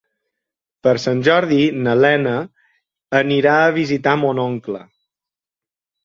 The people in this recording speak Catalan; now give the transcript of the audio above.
Per Sant Jordi na Lena anirà a visitar mon oncle.